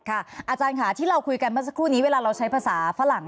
อาจารย์ค่ะที่เราคุยกันเมื่อสักครู่นี้เวลาเราใช้ภาษาฝรั่ง